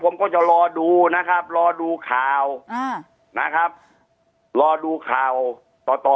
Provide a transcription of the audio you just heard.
ผมก็จะรอดูนะครับรอดูข่าวอ่านะครับรอดูข่าวต่อต่อ